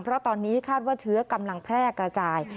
เพราะตอนนี้คาดว่าเชื้อกำลังแพร่กระจาย